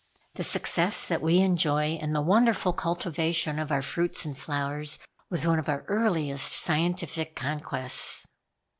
The success that we enjoy in the wonderful cultivation of our fruits and flowers was one of our earliest scientific conquests."